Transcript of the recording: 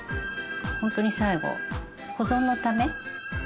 ほんとに最後保存のため。